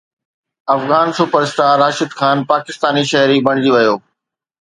Afghan superstar Rashid Khan پاڪستاني شهري بڻجي ويو